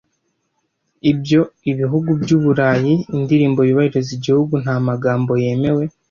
Ibyo ibihugu byu Burayi indirimbo yubahiriza igihugu nta magambo yemewe